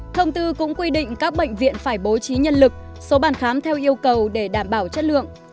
thông tư cũng quy định các bệnh viện phải bố trí nhân lực số bàn khám theo yêu cầu để đảm bảo chất lượng